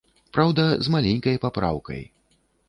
Праўда, з маленькай папраўкай.